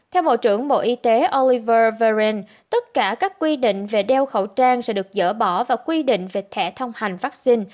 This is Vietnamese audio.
theo bộ trưởng bộ y tế oliveren tất cả các quy định về đeo khẩu trang sẽ được dỡ bỏ và quy định về thẻ thông hành vaccine